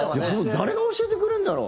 誰が教えてくれるんだろう？